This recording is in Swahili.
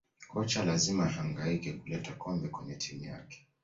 kocha lazima ahangaika kuleta kombe kwenye timu yake